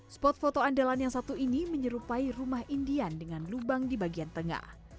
spot foto andalan yang satu ini menyerupai rumah indian dengan lubang di bagian tengah